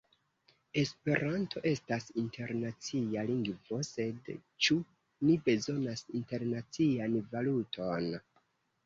Esperanto estas internacia lingvo, sed ĉu ni bezonas internacian valuton?